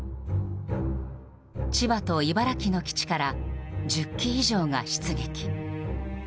千葉と茨城の基地から１０機以上が出撃。